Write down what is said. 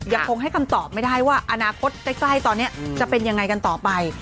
ยังคงให้คำตอบไม่ได้ว่าอนาคตใกล้ตอนนี้จะเป็นยังไงกันต่อไป